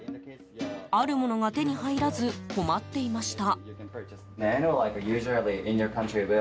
あるものが手に入らず困っていました。